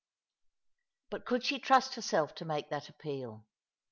But could she trust herself to make that appeal?